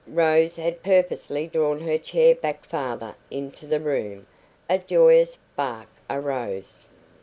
Rose had purposely drawn her chair back farther into the room. A joyous bark arose.